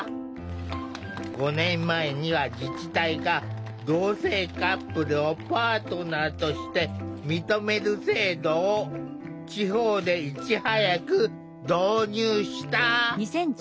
５年前には自治体が同性カップルをパートナーとして認める制度を地方でいち早く導入した。